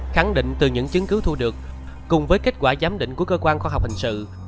khẳng định từ những chứng cứ thu được cùng với kết quả giám định của cơ quan khoa học hình sự